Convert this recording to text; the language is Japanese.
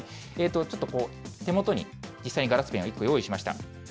ちょっと手元に、実際にガラスペンを１個、用意しました。